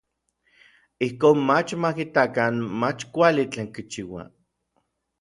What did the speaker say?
Ijkon mach ma kitakan mach kuali tlen kichiua.